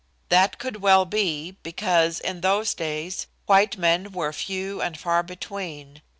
That could well be, because in those days white men were few and far between.